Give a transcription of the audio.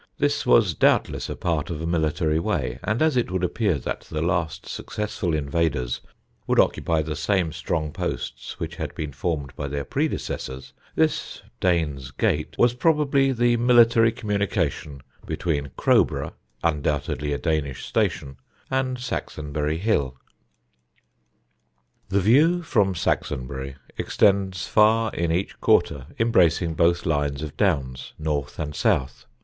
This was doubtless a part of a military way; and as it would happen that the last successful invaders would occupy the same strong posts which had been formed by their predecessors, this Danes Gate was probably the military communication between Crowborough, undoubtedly a Danish station, and Saxonbury Hill." The view from Saxonbury extends far in each quarter, embracing both lines of Downs, North and South.